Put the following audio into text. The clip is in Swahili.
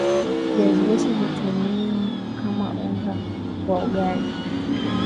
viazi lishe hutumiwa kama unga wa ugali